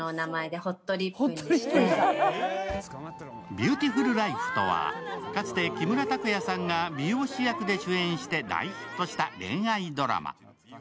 「ビューティフルライフ」とは、かつて木村拓哉さんが美容師役で主演して大ヒットした恋愛ドラマ。